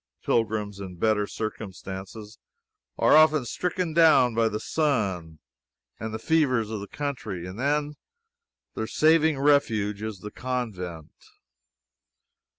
Pilgrims in better circumstances are often stricken down by the sun and the fevers of the country, and then their saving refuge is the Convent.